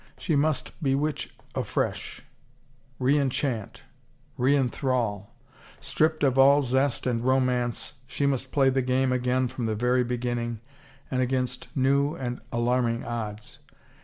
She must bewitch afresh, reenchant, reenthrall; stripped of all zest and romance she must play the game again from the very beginning and against new and alarming odds.